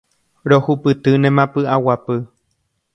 Rohupytýnema pyʼaguapy.